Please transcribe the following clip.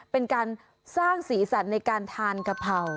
เป็นการสร้างสีสันในการทานกะเพรา